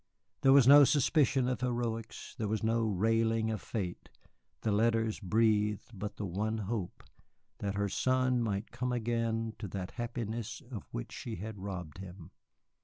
There was no suspicion of heroics, there was no railing at fate; the letters breathed but the one hope, that her son might come again to that happiness of which she had robbed him.